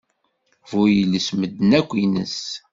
Bu yiles medden akk ines.